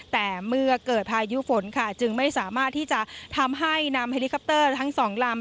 แต่เมื่อเกิดพายุฝนค่ะจึงไม่สามารถที่จะทำให้นำเฮลิคอปเตอร์ทั้งสองลำ